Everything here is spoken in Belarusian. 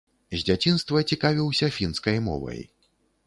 З дзяцінства цікавіўся фінскай мовай.